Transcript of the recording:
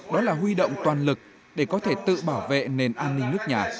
đó là huy động toàn lực để có thể tự bảo vệ nền an ninh nước nhà